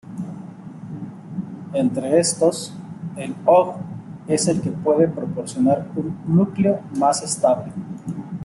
Entre estos, el Og es el que puede proporcionar un núcleo más estable.